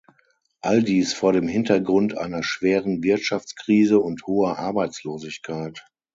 All dies vor dem Hintergrund einer schweren Wirtschaftskrise und hoher Arbeitslosigkeit.